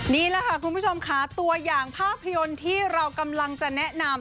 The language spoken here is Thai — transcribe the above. นี่ภาพญนตร์ที่เรากำลังจะแนะนำ